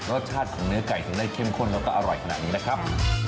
รสชาติของเนื้อไก่ถึงได้เข้มข้นแล้วก็อร่อยขนาดนี้นะครับ